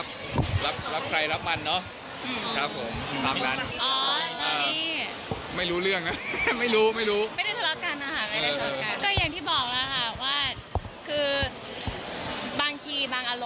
แบบเดิมคืออะไรนะ